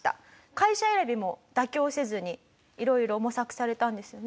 会社選びも妥協せずに色々模索されたんですよね？